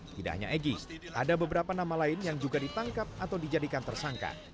tidak hanya egy ada beberapa nama lain yang juga ditangkap atau dijadikan tersangka